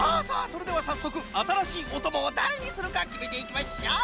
それではさっそくあたらしいおともをだれにするかきめていきましょう！